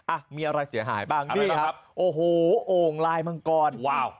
อ่ะมีอะไรเสียหายบ้างนี่ครับโอ้โหโอ่งลายมังกรว้าว